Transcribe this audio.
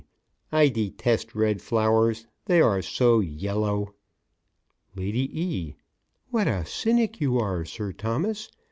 I detest red flowers; they are so yellow. LADY E.: What a cynic you are, Sir Thomas.